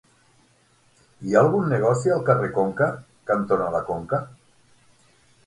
Hi ha algun negoci al carrer Conca cantonada Conca?